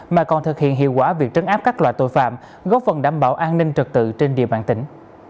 mà còn thực hiện hiệu quả việc trấn áp các loại tội phạm góp phần đảm bảo an ninh trật tự trên địa bàn tỉnh